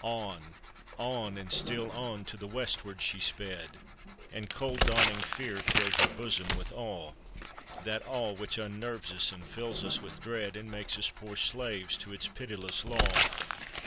On, on ! and still on ! to the westward she sped, And cold dawning fear tilled her bosom with awe — That awe which unnerves us and fills us with dread, And makes us poor slaves to its pitiless law.